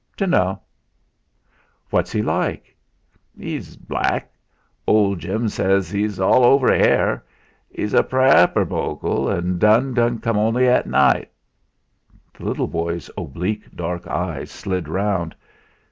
"Dunno." "What's he like?" "'E's black. Old Jim zays 'e's all over 'air. 'E's a praaper bogle. '. don' come only at naight." The little boy's oblique dark eyes slid round.